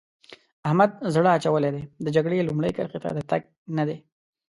احمد زړه اچولی دی؛ د جګړې لومړۍ کرښې ته د تګ نه دی.